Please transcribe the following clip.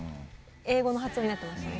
英語の発音になってましたね。